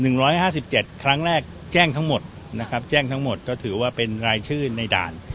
ร้อยห้าสิบเจ็ดครั้งแรกแจ้งทั้งหมดนะครับแจ้งทั้งหมดก็ถือว่าเป็นรายชื่อในด่าน